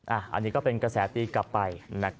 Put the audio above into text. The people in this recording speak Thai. อันนี้ก็เป็นกระแสตีกลับไป